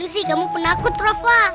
lagian sih kamu penakut rafa